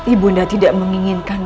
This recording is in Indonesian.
ibu nanda tidak menginginkan